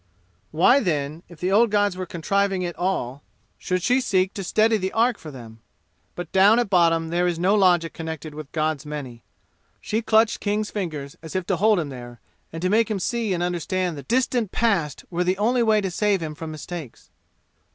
Why then, if the old gods were contriving it all, should she seek to steady the ark for them? But down at bottom there is no logic connected with gods many. She clutched King's fingers as if to hold him there, and to make him see and understand the distant past, were the only way to save him from mistakes.